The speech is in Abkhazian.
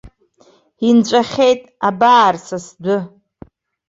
Инҵәахьеит, абар, са сдәы!